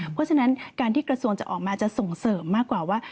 เพราะฉะนั้นการที่กระทรวงจะออกมาจะส่งเสริมมากกว่าว่า